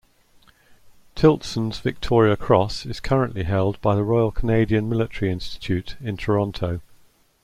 Tiltson's Victoria Cross is currently held by the Royal Canadian Military Institute in Toronto.